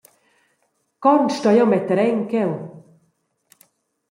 Con stoi jeu metter en cheu?